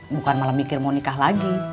bukan malah mikir mau nikah lagi